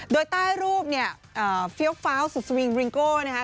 โดยใต้รูปฟิลก์ฟาวสุสวิงวิงโก้นะฮะ